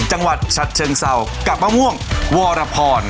จังหวัดฉัดเชิงเศร้ากับมะม่วงวรพร